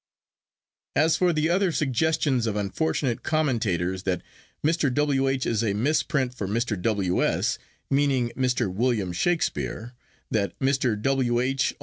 'As for the other suggestions of unfortunate commentators, that Mr. W. H. is a misprint for Mr. W. S., meaning Mr. William Shakespeare; that "Mr. W. H.